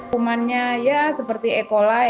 kumannya seperti e coli